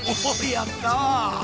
やった！